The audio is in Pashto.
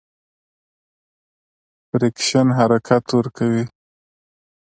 فریکشن حرکت ورو کوي.